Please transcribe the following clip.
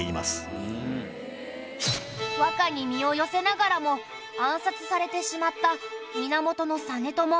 和歌に身を寄せながらも暗殺されてしまった源実朝。